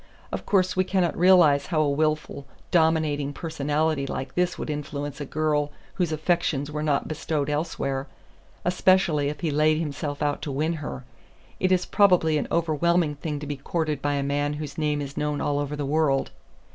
Of course we cannot realize how a wilful, dominating personality like his would influence a girl whose affections were not bestowed elsewhere; especially if he laid himself out to win her. It is probably an overwhelming thing to be courted by a man whose name is known all over the world.